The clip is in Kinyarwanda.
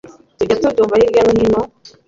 tujya tubyumva hirya no hino